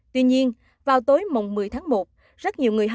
tuy nhiên vào tối mùng một mươi tháng một